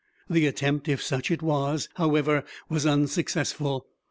The attempt, if such it was, however, was unsuccessful.